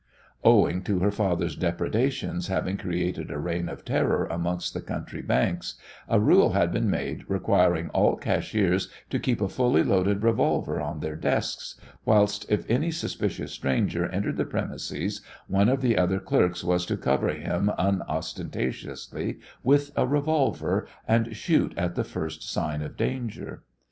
Owing to her father's depredations having created a reign of terror amongst the country banks, a rule had been made requiring all cashiers to keep a fully loaded revolver on their desks, whilst if any suspicious stranger entered the premises one of the other clerks was to cover him unostentatiously with a revolver, and shoot at the first sign of danger.